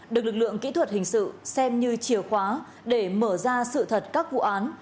được lực lượng kỹ thuật hình sự xem như chìa khóa để mở ra sự thật các vụ án